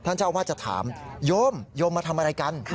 เจ้าอาวาสจะถามโยมโยมมาทำอะไรกัน